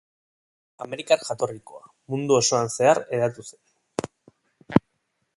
Amerikar jatorrikoa, mundu osoan zehar hedatu zen.